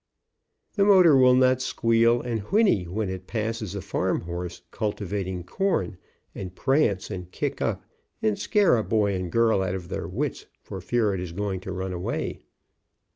The motor will not squeal and whinny when it passes a farm horse cultivating corn, and prance and kick up, and scare a boy and a girl out of their wits for fear it is going to run away.